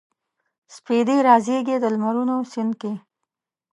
سپیدې رازیږي د لمرونو سیند کې